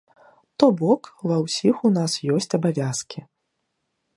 То бок, ва ўсіх у нас ёсць абавязкі.